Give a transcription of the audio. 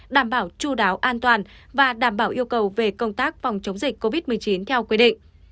đảm bảo chú đáo an toàn và đảm bảo yêu cầu về công tác phòng chống dịch covid một mươi chín theo quy định